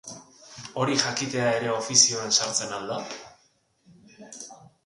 Hori jakitea ere ofizioan sartzen al da?